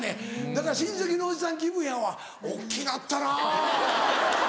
だから親戚のおじさん気分やわ大っきなったな。